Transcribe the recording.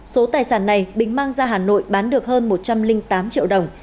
số tài sản này bình mang ra hà nội bán được hơn một trăm linh tám triệu đồng